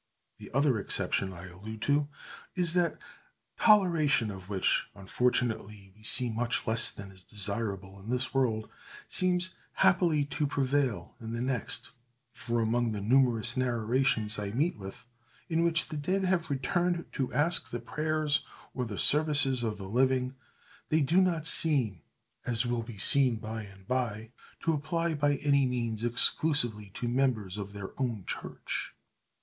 The other exception I allude to is, that that toleration, of which, unfortunately, we see much less than is desirable in this world, seems happily to prevail in the next; for, among the numerous narrations I meet with, in which the dead have returned to ask the prayers or the services of the living, they do not seem, as will be seen by and by, to apply by any means exclusively to members of their own church.